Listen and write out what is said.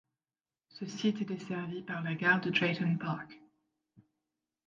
Ce site est desservi par la gare de Drayton Park.